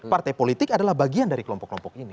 partai politik adalah bagian dari kelompok kelompok ini